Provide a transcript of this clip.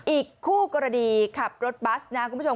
อีกคู่กรณีขับรถบัสนะคุณผู้ชม